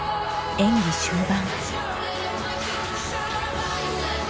演技終盤。